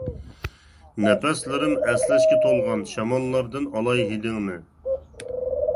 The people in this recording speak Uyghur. نەپەسلىرىم ئەسلەشكە تولغان، شاماللاردىن ئالاي ھىدىڭنى.